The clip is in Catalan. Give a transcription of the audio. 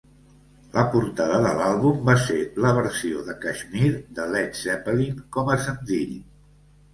La portada de l'àlbum va ser la versió de "Kashmir" de Led Zeppelin com a senzill.